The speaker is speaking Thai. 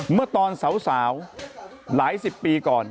เมื่อตอนสาวหลายสิบปีก่อน